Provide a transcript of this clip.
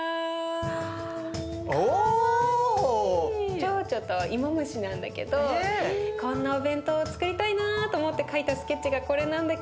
ちょうちょと芋虫なんだけどこんなお弁当をつくりたいなと思って描いたスケッチがこれなんだけど。